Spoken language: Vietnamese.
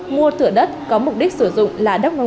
mua thửa đất có mục đích sử dụng là đất ngô